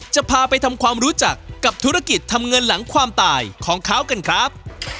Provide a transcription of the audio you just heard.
จะพาไปทำความรู้จักกับธุรกิจทำเงินหลังความตายของเขากันครับ